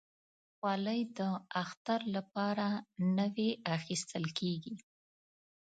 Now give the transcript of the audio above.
خولۍ د اختر لپاره نوي اخیستل کېږي.